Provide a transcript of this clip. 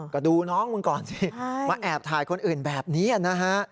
ก็ดูน้องมึงก่อนสิมาแอบถ่ายคนอื่นแบบนี้นะฮะ